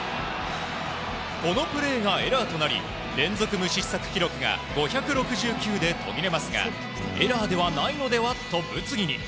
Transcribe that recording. このプレーがエラーとなり連続無失策記録が５６９で途切れますがエラーではないのでは？と物議に。